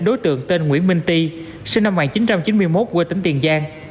đối tượng tên nguyễn minh ty sinh năm một nghìn chín trăm chín mươi một quê tính tiền giang